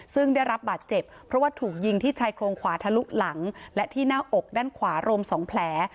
ซึ่งได้รับบาดเจ็บเพราะว่าถูกยิงที่ชายโครงขวาทะลุหลังและที่หน้าอกด้านขวารวม๒แผล